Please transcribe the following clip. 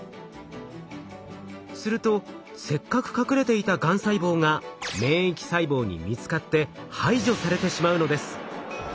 するとせっかく隠れていたがん細胞が免疫細胞に見つかって排除されてしまうのです。